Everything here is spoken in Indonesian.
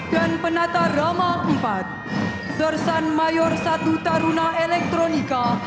dan pendata roma empat sersan mayor satu taruna elektronika